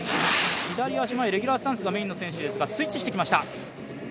左足前、レギュラースタンスがメインの選手ですがスイッチしてきました。